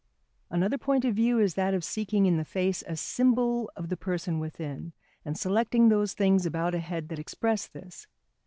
_]Another point of view is that of seeking in the face a symbol of the person within, and selecting those things about a head that express this.